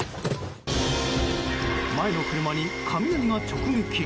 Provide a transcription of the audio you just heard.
前の車に雷が直撃。